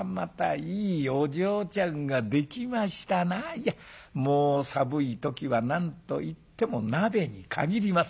いやもう寒い時は何と言っても鍋に限ります。